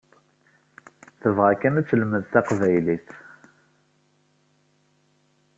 Tebɣa kan ad telmed taqbaylit.